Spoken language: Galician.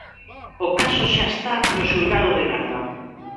O caso xa está no xulgado de garda.